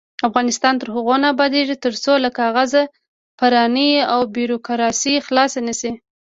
افغانستان تر هغو نه ابادیږي، ترڅو له کاغذ پرانۍ او بیروکراسۍ خلاص نشو.